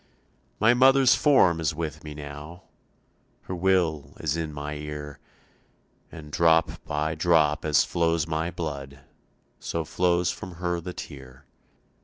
"My mother's form is with me now, Her will is in my ear, And drop by drop as flows my blood So flows from her the tear.